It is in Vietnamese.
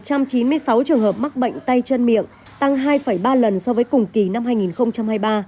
trong đó một mươi một trăm chín mươi sáu trường hợp mắc bệnh tay chân miệng tăng hai ba lần so với cùng kỳ năm hai nghìn hai mươi ba